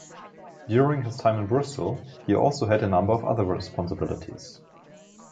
During his time in Bristol, he also had a number of other responsibilities.